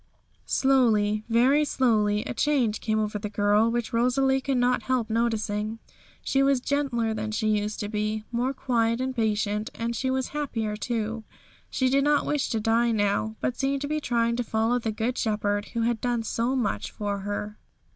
Slowly, very slowly, a change came over the girl, which Rosalie could not help noticing. She was gentler than she used to be, more quiet and patient. And she was happier too. She did not wish to die now, but seemed to be trying to follow the Good Shepherd, who had done so much for her.